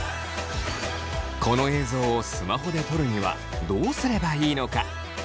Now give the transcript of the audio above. この映像をスマホで撮るにはどうすればいいのか？